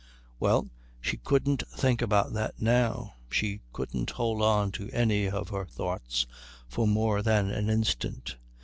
Well, she couldn't think about that now. She couldn't hold on to any of her thoughts for more than an instant.